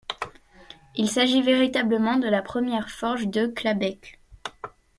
Il s’agit véritablement de la première forge de Clabecq.